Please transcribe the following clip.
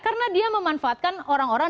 karena dia memanfaatkan orang orang